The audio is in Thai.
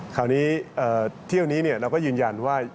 คราวนี้เที่ยวนี้เราก็ยืนยันว่า